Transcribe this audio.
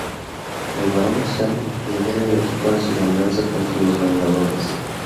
El Barón Zemo lidera el equipo en su venganza contra los Vengadores.